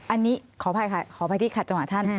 อันนี้ขออภัยค่ะขออภัยที่ขัดจังหวะท่าน